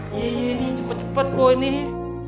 iya iya cepet cepet kok ini